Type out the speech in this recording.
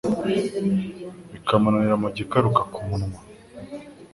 bikamunanira kukigarura ku munwa